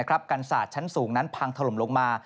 กันศาสตร์ชั้นสูงนั้นพังถล่มลงมา